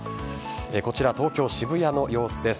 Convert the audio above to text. こちら、東京・渋谷の様子です。